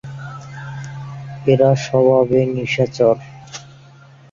এরা স্বভাবে নিশাচর।